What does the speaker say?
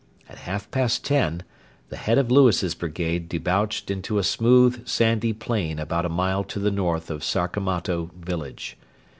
At half past ten the head of Lewis's brigade debouched into a smooth sandy plain about a mile to the north of Sarkamatto village.